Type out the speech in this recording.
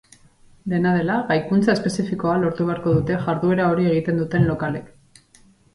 Dena dela, gaikuntza espezifikoa lortu beharko dute jarduera hori egiten duten lokalek.